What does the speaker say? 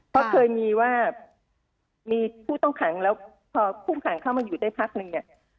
เพราะเคยมีว่ามีผู้ต้องขังแล้วพอผู้ต้องขังเข้ามาอยู่ในพักหนึ่ง